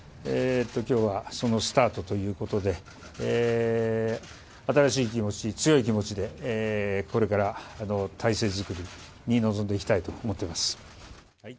きょうはそのスタートということで、新しい気持ち、強い気持ちで、これから体制作りに臨んでいきたいと思っています。